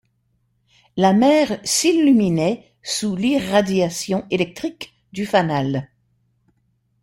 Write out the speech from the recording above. La mer s’illuminait sous l’irradiation électrique du fanal.